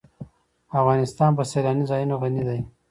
افغانستان په سیلانی ځایونه غني دی.